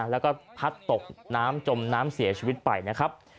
แล้วก็พัดตกน้ำจมน้ำเสียชีวิตไปนะครับ